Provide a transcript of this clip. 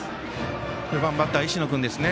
バッター、石野君ですね。